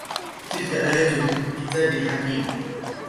تلك آيات الكتاب الحكيم